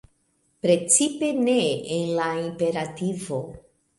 Precipe ne en la imperativo.